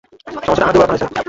সমস্যাটা আমার দুর্বলতা নয় স্যার।